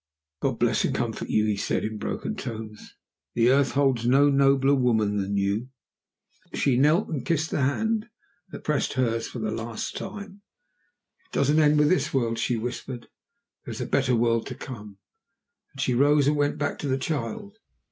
"God bless and comfort you," he said, in broken tones. "The earth holds no nobler woman than you." She knelt and kissed the kind hand that pressed hers for the last time. "It doesn't end with this world," she whispered: "there is a better world to come!" Then she rose, and went back to the child.